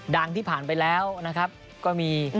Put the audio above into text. ที่ผ่านไปแล้วนะครับก็มี